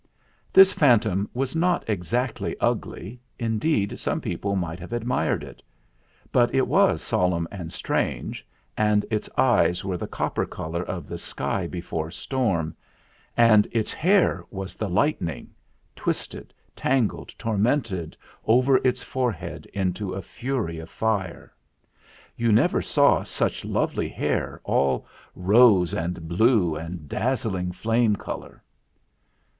This phantom was not exactly ugly indeed, some people might have admired it ; but it was solemn and strange, and its eyes were the cop per colour of the sky before storm, and its hair was the lightning, twisted, tangled, tor mented over its forehead into a fury of fire. You never saw such lovely hair all rose and blue and dazzling flame colour.